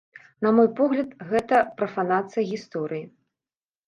На мой погляд, гэта прафанацыя гісторыі.